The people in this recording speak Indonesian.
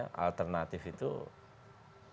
paling mungkin hanya itu tadi